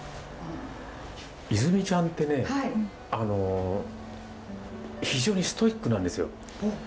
いずみちゃんってねあの非常にストイックなんですよ。